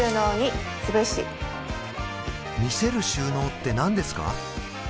見せる収納って何ですか？